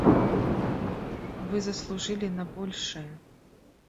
Вы заслужылі на большае.